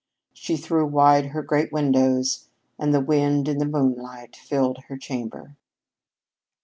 She threw wide her great windows, and the wind and the moonlight filled her chamber.